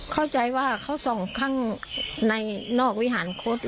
เข้าใจว่าเขาส่องข้างในนอกวิหารคต